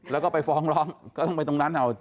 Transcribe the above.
แล้วก็ไปฟ้องร้องก็ต้องไปตรงนั้นเอา